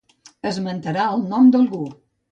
Esmentarà el nom d'algú.